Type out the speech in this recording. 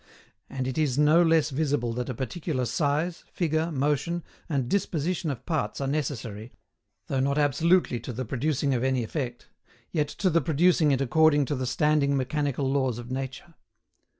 And it is no less visible that a particular size, figure, motion, and disposition of parts are necessary, though not absolutely to the producing any effect, yet to the producing it according to the standing mechanical laws of nature.